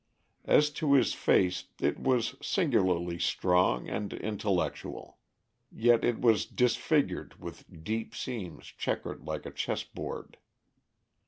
As to his face, it was singularly strong and intellectual. Yet it was disfigured with deep seams checkered like a chessboard.